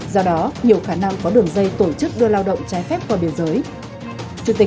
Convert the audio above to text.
do đó nhiều khả năng có đường dây tổ chức đưa lao động trái phép qua biên giới